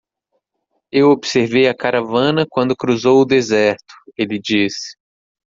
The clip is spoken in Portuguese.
"Eu observei a caravana quando cruzou o deserto?" ele disse.